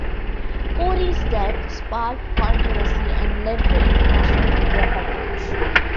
Corrie's death sparked controversy and led to international media coverage.